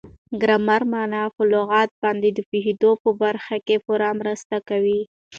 ګرامري مانا په لغاتو باندي د پوهېدو په برخه کښي پوره مرسته کوي.